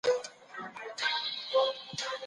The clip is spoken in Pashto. ځانګړي موصفات انسان له حیواناتو بیلوي.